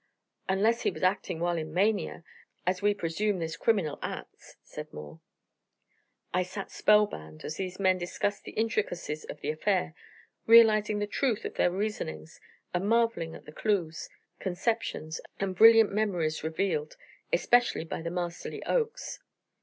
"Unless he was acting while in mania, as we presume this criminal acts," said Moore. I sat spellbound as these men discussed the intricacies of the affair, realizing the truth of their reasonings and marvelling at the clues, conceptions and brilliant memories revealed, especially by the masterly Oakes.